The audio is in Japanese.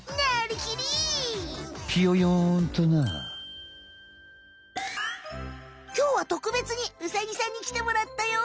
きょうはとくべつにウサギさんにきてもらったよ。